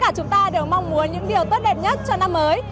tất cả chúng ta đều mong muốn những điều tốt đẹp nhất cho năm mới